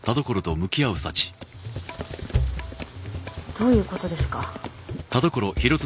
どういうことですか？